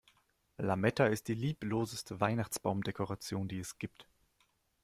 Lametta ist die liebloseste Weihnachtsbaumdekoration, die es gibt.